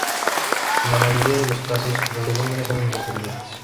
En la mayoría de los casos, los volúmenes son independientes.